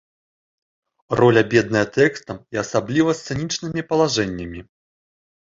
Роля бедная тэкстам і асабліва сцэнічнымі палажэннямі.